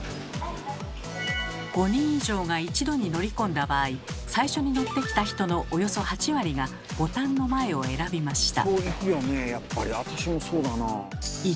５人以上が一度に乗り込んだ場合最初に乗ってきた人のおよそ８割がボタンの前を選びました。